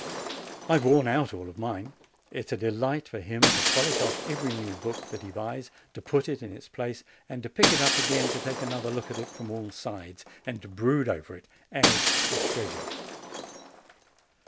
I have worn out all of mine. It is a delight for him to polish off every new book that he buys, to put it in its place, and to pick it up again to take another look at it from all sides, and to brood over it as a treasure.